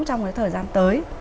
trong thời gian tới